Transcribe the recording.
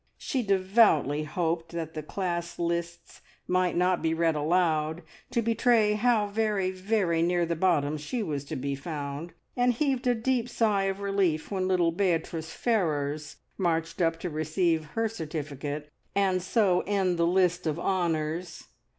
She devoutly hoped that the class lists might not be read aloud, to betray how very, very near the bottom she was to be found, and heaved a deep sigh of relief when little Beatrice Ferrars marched up to receive her certificate, and so end the list of honours.